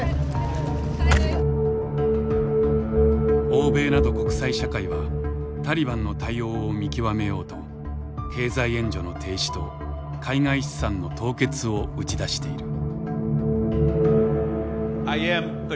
欧米など国際社会はタリバンの対応を見極めようと経済援助の停止と海外資産の凍結を打ち出している。